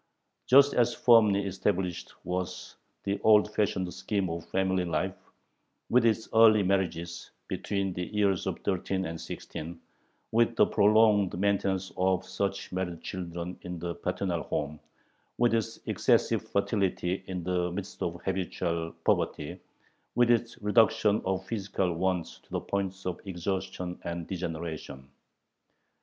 Just as firmly established was the old fashioned scheme of family life, with its early marriages, between the years of thirteen and sixteen, with the prolonged maintenance of such married children in the paternal home, with its excessive fertility in the midst of habitual poverty, with its reduction of physical wants to the point of exhaustion and degeneration.